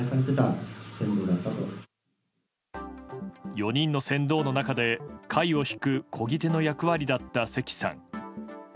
４人の船頭の中で、かいを引くこぎ手の役割だった関さん。